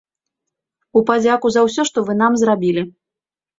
У падзяку за ўсе, што вы нам зрабілі.